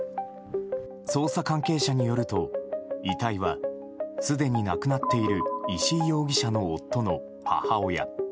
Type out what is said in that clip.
捜査関係者によると遺体は、すでに亡くなっている石井容疑者の夫の母親。